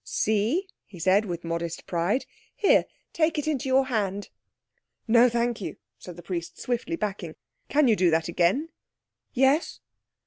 "See?" he said, with modest pride. "Here, take it into your hand." "No, thank you," said the priest, swiftly backing. "Can you do that again?" "Yes."